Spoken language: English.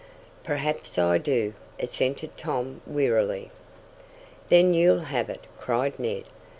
"Perhaps I do," assented Tom wearily. "Then you'll have it!" cried Ned.